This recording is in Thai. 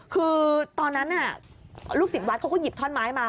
คือตอนนั้นลูกศิษย์วัดเขาก็หยิบท่อนไม้มา